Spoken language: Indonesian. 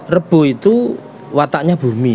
rebuk itu wataknya bumi